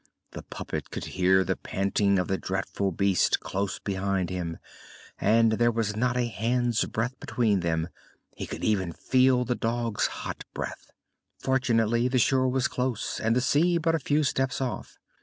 The puppet could hear the panting of the dreadful beast close behind him; there was not a hand's breadth between them, he could even feel the dog's hot breath. Fortunately the shore was close and the sea but a few steps off.